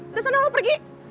udah seneng lo pergi